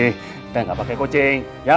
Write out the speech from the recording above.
kita gak pake kucing